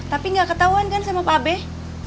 tapi gak ketauan kan sama pak bey